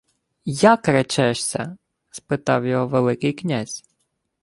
— Як речешся? — спитав його Великий князь.